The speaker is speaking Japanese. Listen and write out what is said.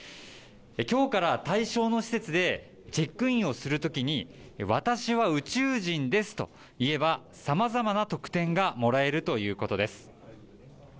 きょうから、対象の施設でチェックインをするときに、私は宇宙人ですと言えば、さまざまなとくてんがからもらえるということです。